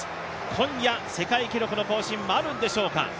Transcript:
今夜、世界記録の更新はあるんでしょうか。